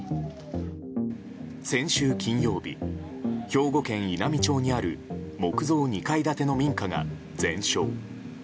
先週金曜日、兵庫県稲美町にある木造２階建ての民家が全焼。